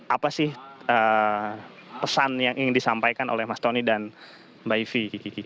apa sih pesan yang ingin disampaikan oleh mas tony dan mbak ivi